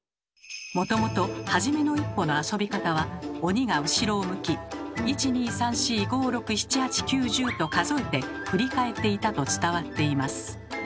もともと「はじめの一歩」の遊び方は鬼が後ろを向き「１２３４５６７８９１０」と数えて振り返っていたと伝わっています。